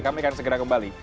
kami akan segera kembali